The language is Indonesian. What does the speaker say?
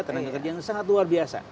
tenaga kerja yang sangat luar biasa